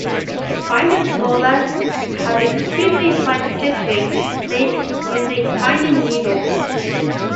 The finest molas have extremely fine stitching, made using tiny needles.